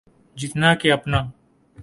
جتنا کہ اپنا۔